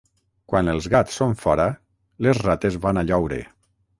Quan els gats són fora, les rates van a lloure.